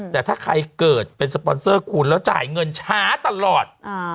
แต่ถ้าใครเกิดเป็นสปอนเซอร์คุณแล้วจ่ายเงินช้าตลอด